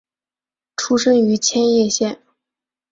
出身于千叶县。